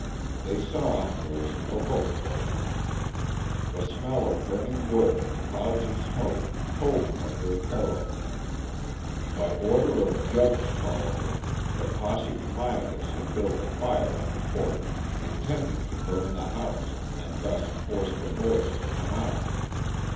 They saw there was no hope for them. The smell of burning wood and clouds of smoke told them of their peril. By order of Judge Tolliver the posse comitatus had built a fire on the porch intending to burn the house, and thus force the boys to come out.